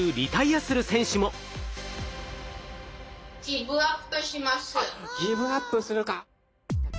あっギブアップするか。